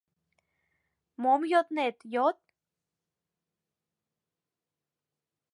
Мом йоднет — йод...